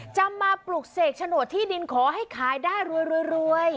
จะมาปลุกเสกโฉนดที่ดินขอให้ขายได้รวย